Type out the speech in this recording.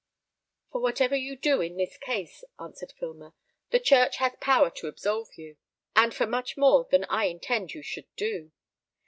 "For whatever you do in this case," answered Filmer, "the church has power to absolve you, and for much more than I intend you should do.